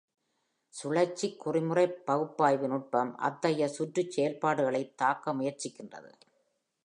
‘சுழற்சிக் குறிமுறைப் பகுப்பாய்வு நுட்பம்‘ அத்தகைய சுற்றுச் செயல்பாடுகளைத் தாக்க முயற்சிக்கின்றது.